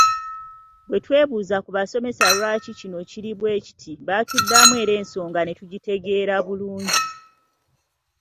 Bwe twebuuza ku basomesa lwaki kino kiri bwe kiti baatuddamu era ensonga ne tugitegeera bulungi.